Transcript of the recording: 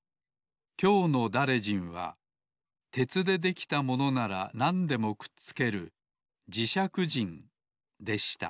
きょうのだれじんは鉄でできたものならなんでもくっつけるじしゃくじんでした